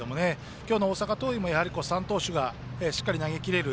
今日の大阪桐蔭も３投手がしっかり投げ切れる